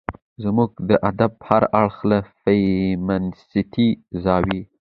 زموږ د ادب هر اړخ له فيمنستي زاويې